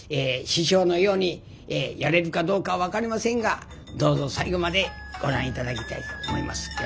師匠のようにやれるかどうか分かりませんがどうぞ最後までご覧頂きたいと思います。